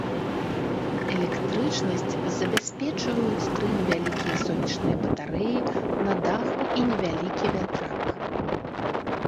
Электрычнасць забяспечваюць тры невялікія сонечныя батарэі на даху і невялікі вятрак.